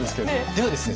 ではですね